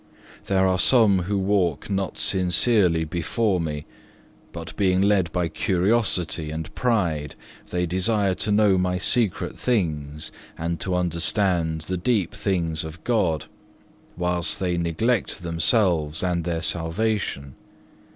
There are some who walk not sincerely before me, but being led by curiosity and pride, they desire to know my secret things and to understand the deep things of God, whilst they neglect themselves and their salvation.